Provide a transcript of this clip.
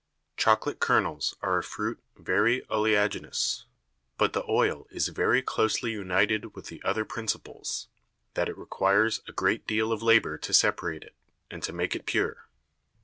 Chocolate Kernels are a Fruit very oleaginous, but the Oil is very closely united with the other Principles, that it requires a great deal of Labour to separate it, and to make it pure.